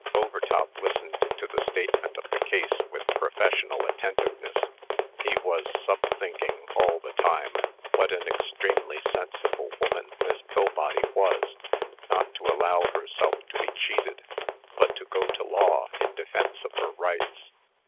Overtop listened to the statement of the case with professional attentiveness. He was sub thinking, all the time, what an extremely sensible woman Miss Pillbody was, not to allow herself to be cheated, but to go to law in defence of her rights.